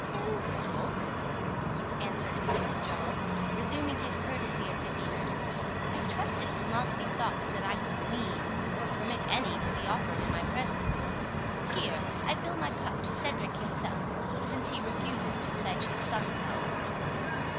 "Insult?" answered Prince John, resuming his courtesy of demeanour; "I trust it will not be thought that I could mean, or permit any, to be offered in my presence. Here! I fill my cup to Cedric himself, since he refuses to pledge his son's health."